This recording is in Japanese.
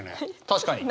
確かに！